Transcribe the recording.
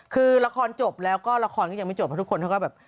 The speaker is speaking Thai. คือละครจบแล้วก็ละครก็ยังไม่จบทุกคนก็แบบ